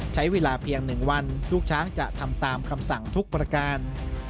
ใช้เวลาเพียง๑วันลูกช้างจะทำตามคำสั่งทุกประการ